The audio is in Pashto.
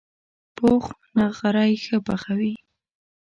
پوخ نغری ښه پخوي